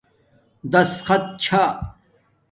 دَسخت چھݳ